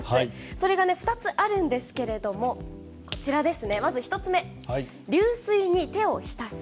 それが２つあるんですがまず１つ目、流水に手を浸す。